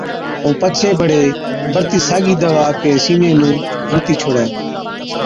ائُون پڇي بڙي بڙتِي ساگِي دَوا آپڪي سِيني نُون هڻتِي ڇوڙَي۔